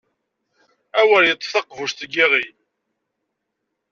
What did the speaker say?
Awer iṭṭef taqbuc n yiɣi!